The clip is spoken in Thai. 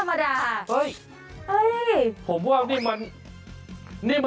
วิ้วไปแล้วอะอ๋อโอ้ยของผมก็มีประมาณนั้นนะ